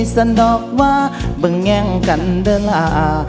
สะดอกว่าบึงแง่งกันเด้อลา